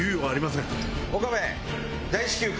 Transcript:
岡部。